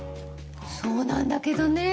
そうなんだけどね。